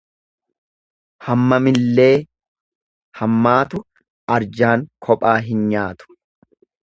Ammamillee hammaatu arjaan kophaa hin nyaatu.